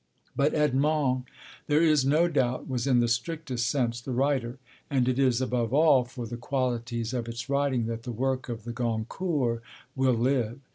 But Edmond, there is no doubt, was in the strictest sense the writer; and it is above all for the qualities of its writing that the work of the Goncourts will live.